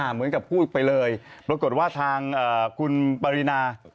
เหมือนกับพูดไปเลยปรากฏว่าทางคุณปรินา